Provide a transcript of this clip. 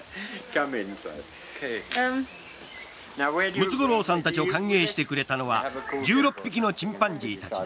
ムツゴロウさんたちを歓迎してくれたのは１６匹のチンパンジーたちだ。